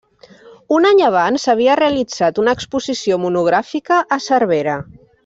Un any abans havia realitzat una exposició monogràfica a Cervera.